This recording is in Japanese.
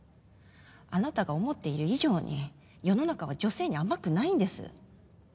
あなたが思っている以上に世の中は女性に甘くないんです。